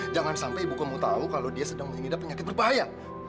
jangan sampai ibu kamu tahu kalau dia sedang mengingindak penyakit berbahaya